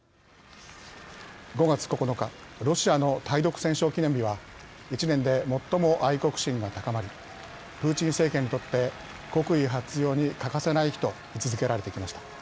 ５月９日ロシアの対独戦勝記念日は一年で最も愛国心が高まりプーチン政権にとって国威発揚に欠かせない日と位置づけられてきました。